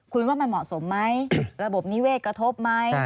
คุณว่ามันเหมาะสมไหมระบบนิเวศกระทบไหม